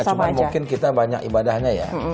cuma mungkin kita banyak ibadahnya ya